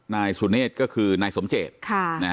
นายสุเนธก็คือนายสมเจต